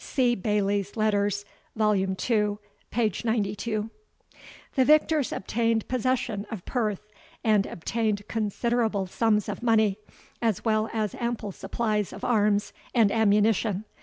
See Baillie's Letters, vol. ii. page 92.] The victors obtained possession of Perth, and obtained considerable sums of money, as well as ample supplies of arms and ammunition.